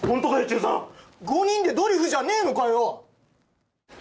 注さん５人でドリフじゃねえのかよ